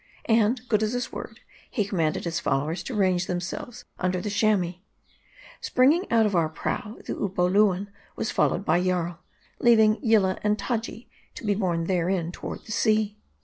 And good as his word, he commanded his followers to range themselves under the Chamois. Springing out of our prow, the Upoluan was followed by Jari ; leaving Yillah and Taji to be borne therein toward the sea.